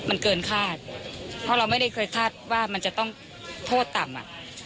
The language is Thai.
มันเกินคาดเพราะเราไม่ได้เคยคาดว่ามันจะต้องโทษต่ำอ่ะ